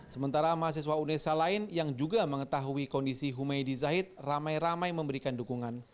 sementara mahasiswa unesa lain yang juga mengetahui kondisi humaydi zahid ramai ramai memberikan dukungan